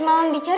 tak ada kan